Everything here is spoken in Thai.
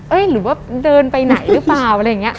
หรือว่าเดินไปไหนหรือเปล่าอะไรอย่างนี้